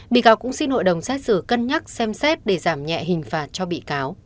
bị cáo cũng xin hội đồng xét xử cân nhắc xem xét để giảm nhẹ hình phạt cho bị cáo